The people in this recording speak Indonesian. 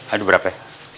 aduh berapa ya